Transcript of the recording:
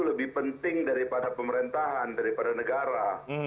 lebih penting daripada pemerintahan daripada negara